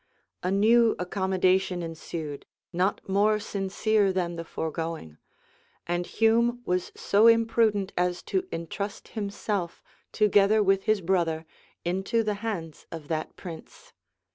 A new accommodation ensued, not more sincere than the foregoing; and Hume was so imprudent as to intrust himself, together with his brother, into the hands of that prince.